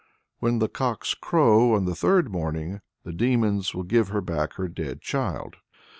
When the cocks crow on the third morning, the demons will give her back her dead child.